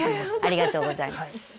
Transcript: ありがとうございます。